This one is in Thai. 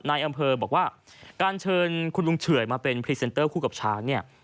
นายอำเภอบอกว่าการเชิญคุณลุงเฉื่อยมาเป็นพรีเซนเตอร์คู่กับช้างเนี่ย